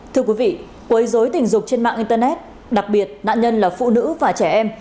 thưa quý vị quấy dối tình dục trên mạng internet đặc biệt nạn nhân là phụ nữ và trẻ em